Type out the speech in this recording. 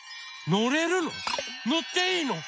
のっていいの？